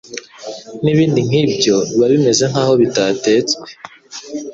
n’ibindi nk’ibyo biba bimeze nk’aho bitatetswe